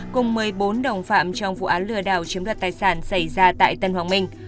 cùng một mươi bốn đồng phạm trong vụ án lừa đảo chiếm đoạt tài sản xảy ra tại tân hoàng minh